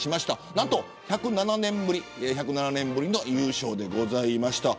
なんと１０７年ぶりの優勝でございました。